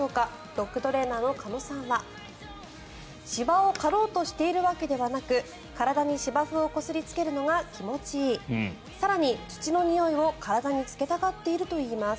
ドッグトレーナーの鹿野さんは芝を刈ろうとしているわけではなく体に芝生をこすりつけるのが気持ちいい更に、土のにおいを体につけたがっているといいます。